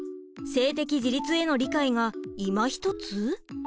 性的自立への理解がいまひとつ？